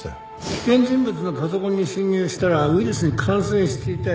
危険人物のパソコンに侵入したらウイルスに感染していたよ